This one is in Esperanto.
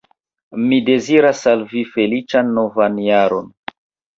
Mi deziras al vi feliĉan novan jaron!